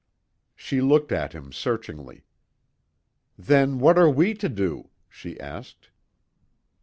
She looked at him searchingly. "Then what are we to do?" she asked.